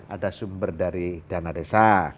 ada sumber dari dana desa